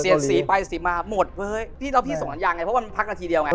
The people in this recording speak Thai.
เซียนซีไปสิมาหมดเว้ยพี่ส่งอนุญาณไงเพราะว่ามันพักนาทีเดียวไง